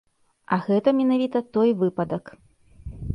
А гэта менавіта той выпадак.